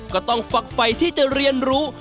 ก็ต้องฝักไฟที่จะเรียนรู้